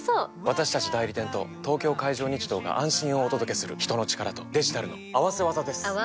私たち代理店と東京海上日動が安心をお届けする人の力とデジタルの合わせ技です！